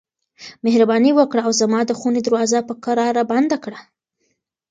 مهرباني وکړه او زما د خونې دروازه په کراره بنده کړه.